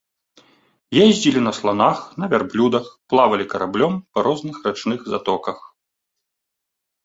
Ездзілі на сланах, на вярблюдах, плавалі караблём па розных рачных затоках.